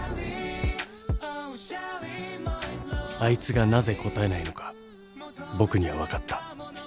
［あいつがなぜ答えないのか僕には分かった］